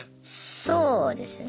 そうですね。